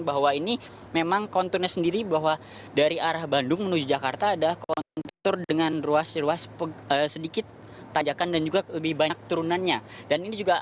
bahwa ini memang konturnya sendiri bahwa dari arah bandung menuju jakarta ada kontur dengan ruas ruas sedikit tanjakan dan juga lebih banyak turunannya